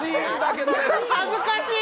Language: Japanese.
恥ずかしい！